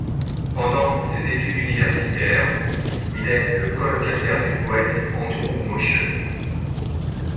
Pendant ses études universitaires, il est le colocataire du poète Andrew Motion.